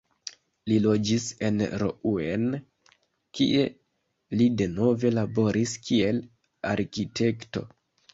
Li loĝis en Rouen, kie li denove laboris kiel arkitekto.